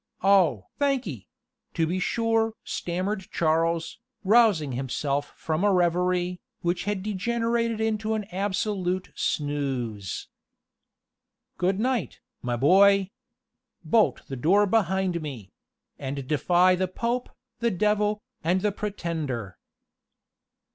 Oh! thank'ee to be sure!" stammered Charles, rousing himself from a reverie, which had degenerated into an absolute snooze. "Good night, my boy! Bolt the door behind me; and defy the Pope, the Devil, and the Pretender!"